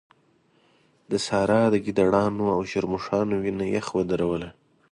د سارا د ګيدړانو او شرموښانو وينه يخ ودروله.